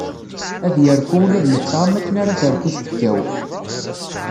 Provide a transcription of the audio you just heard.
Ad yerku ula d netta am waken ara terku tfekka-w.